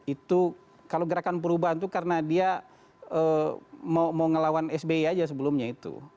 itu kalau gerakan perubahan itu karena dia mau ngelawan sbi aja sebelumnya itu